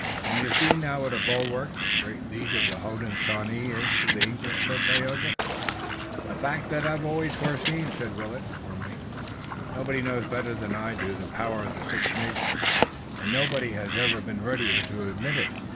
"And you see now what a bulwark the great League of the Hodenosaunee is to the English," said Tayoga. "A fact that I've always foreseen," said Willet warmly. "Nobody knows better than I do the power of the Six Nations, and nobody has ever been readier to admit it."